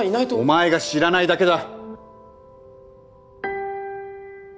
お前が知らないだけだ！